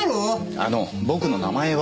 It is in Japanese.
あの僕の名前は。